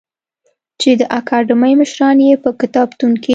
چې د اکاډمۍ مشران یې په کتابتون کې